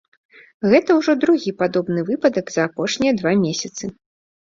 Гэта ўжо другі падобны выпадак за апошнія два месяцы.